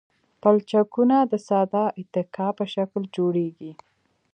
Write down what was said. پلچکونه د ساده اتکا په شکل جوړیږي